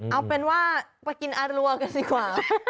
เอาเป็นว่าไปกินอารัวกันดีกว่า